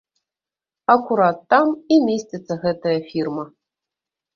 Акурат там і месціцца гэтая фірма.